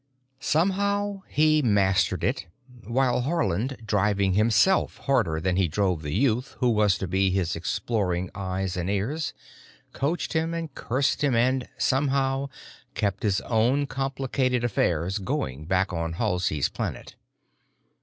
Somehow he mastered it, while Haarland, driving himself harder than he drove the youth who was to be his exploring eyes and ears, coached him and cursed him and—somehow!—kept his own complicated affairs going back on Halsey's Planet.